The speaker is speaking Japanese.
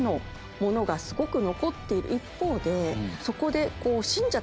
一方でそこで。